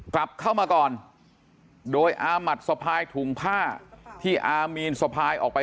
กลับเข้ามาก่อนโดยอามัดสะพายถุงผ้าที่อามีนสะพายออกไป